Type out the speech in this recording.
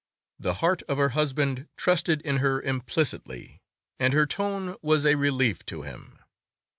The heart of her husband trusted in her implicitly, and her tone was a relief to him.